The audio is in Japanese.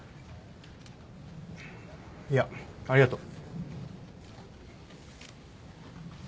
いやありがとう。